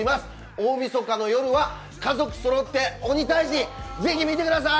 大みそかの夜は家族そろって「鬼タイジ」是非、見てください！